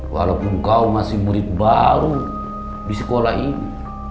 walaupun kau masih murid baru di sekolah ini